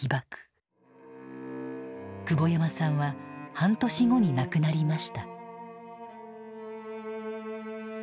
久保山さんは半年後に亡くなりました。